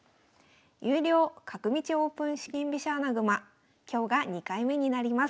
「優良！角道オープン四間飛車穴熊」今日が２回目になります。